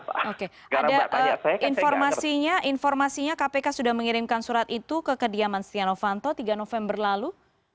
oke ada informasinya informasinya kpk sudah mengirimkan surat itu ke kediaman setia novanto tiga november lalu